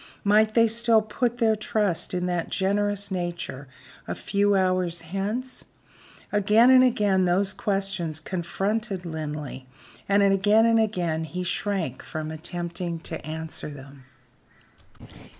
Might they still put their trust in that generous nature a few hours hence? Again and again those questions confronted Linley; and again and again he shrank from attempting to answer them.